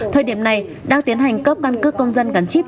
thời điểm này đang tiến hành cấp căn cước công dân gắn chip